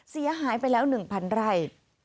เสียหายไปแล้ว๑๐๐ไร่